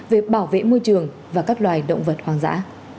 về bảo vệ môi trường và các loài động vật hoang dã